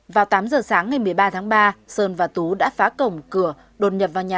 vào tám giờ sáng ngày một mươi ba tháng ba sơn và tú đã phá cổng cửa đồn nhập vào nhà